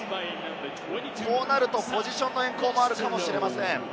こうなるとポジションの変更もあるかもしれません。